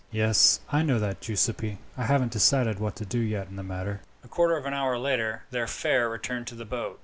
"Yes, I know that, Giuseppi, and I haven't decided yet what to do in the matter." A quarter of an hour later, their fare returned to the boat.